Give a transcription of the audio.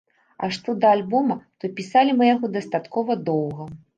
А што да альбома, то пісалі мы яго дастаткова доўга.